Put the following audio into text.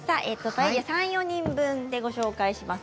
パエリアは３、４人分でご紹介します。